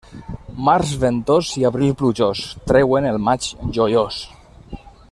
Març ventós i abril plujós treuen el maig joiós.